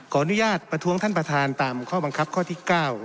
อนุญาตประท้วงท่านประธานตามข้อบังคับข้อที่๙